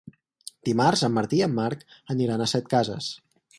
Dimarts en Martí i en Marc aniran a Setcases.